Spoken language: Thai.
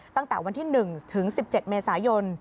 ตั้งแต่วันที่๑ถึง๑๗เมษายน